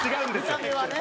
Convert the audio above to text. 見た目はね。